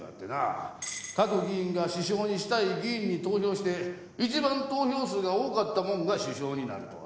各議員が首相にしたい議員に投票して一番投票数が多かったもんが首相になると。